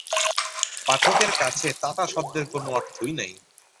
পাঠকের কাছে তাতা শব্দের কোনো অর্থই নাই।